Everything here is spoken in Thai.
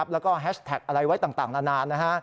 แล้วก็แฮชแท็กอะไรไว้ต่างนาน